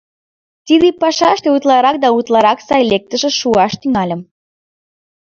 Тиде пашаште утларак да утларак сай лектышыш шуаш тӱҥальым.